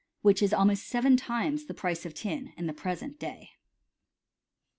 which is almost seven times the price of tin in the present day.